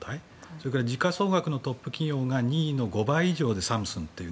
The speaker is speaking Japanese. それから時価総額のトップ企業が２位の５倍以上でサムスンという